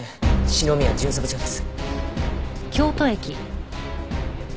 篠宮巡査部長です。